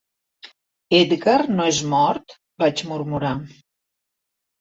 "Edgar no és mort?" vaig murmurar.